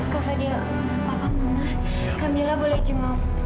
kak fadil pak mama kamila boleh jempol